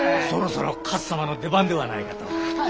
そろそろ勝様の出番ではないかと。